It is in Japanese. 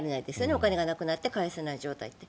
お金がなくなって返せない状態って。